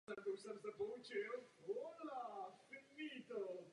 Později několik let pracoval jako ředitel firemních rizik pro investiční skupinu Penta.